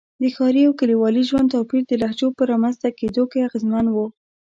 د ښاري او کلیوالي ژوند توپیر د لهجو په رامنځته کېدو کې اغېزمن و.